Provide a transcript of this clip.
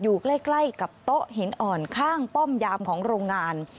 อยู่ใกล้กับโต๊ะหินอ่อนข้างป้อมยามของโรงงาน